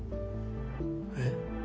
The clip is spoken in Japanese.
えっ？